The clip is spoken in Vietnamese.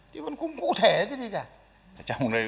thế còn cũng cụ thể thế chứ kìa